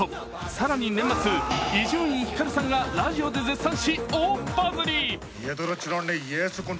更に年末、伊集院光さんがラジオで絶賛し、大バズり。